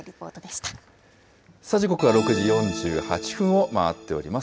時刻は６時４８分を回っております。